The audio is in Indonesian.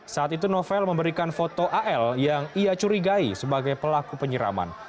saat itu novel memberikan foto al yang ia curigai sebagai pelaku penyiraman